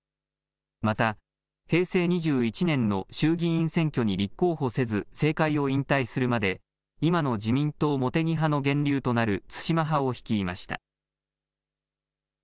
また平成２１年の衆議院選挙に立候補せず政界を引退するまで今の自民党茂木派の源流となる津島派を率いました。